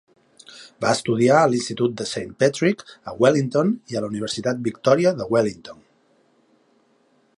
Va estudiar a l'Institut de Saint Patrick, a Wellington, i a la Universitat Victòria de Wellington